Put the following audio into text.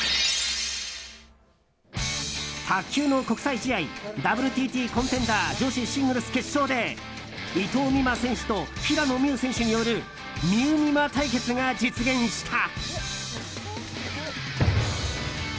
卓球の国際試合ＷＴＴコンテンダー女子シングルス決勝で伊藤美誠選手と平野美宇選手によるみうみま対決が実現した。